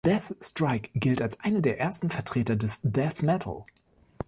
Death Strike gilt als eine der ersten Vertreter des Death Metal.